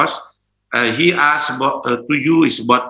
dia bertanya kepada anda